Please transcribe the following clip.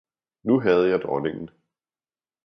nu havde jeg Dronningen!